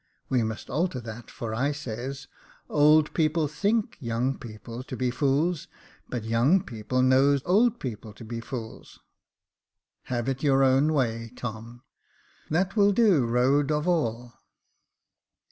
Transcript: We must alter that, for I says, * Old people think young people to be fools, but young people know old people to be fools.'" *' Have it your own way, Tom, that will do, rowed of all."